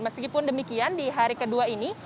meskipun demikian di hari kedua ini